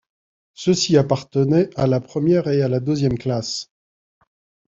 Ceux-ci appartenaient à la première et à la deuxième classe.